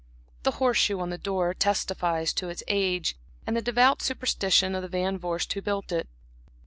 The horse shoe on the door, testifies to its age, and the devout superstition of the Van Vorst who built it.